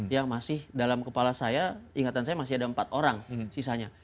yang masih dalam kepala saya ingatan saya masih ada empat orang sisanya